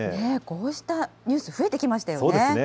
こうしたニュース、増えてきましたよね。